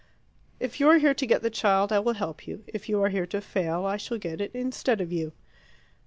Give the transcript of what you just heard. "If you are here to get the child, I will help you; if you are here to fail, I shall get it instead of you."